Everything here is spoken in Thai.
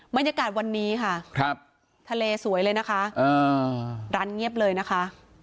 บรรยากาศวันนี้ค่ะทะเลสวยเลยนะคะร้านเงียบเลยนะคะ